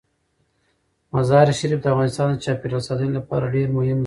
مزارشریف د افغانستان د چاپیریال ساتنې لپاره ډیر مهم ځای دی.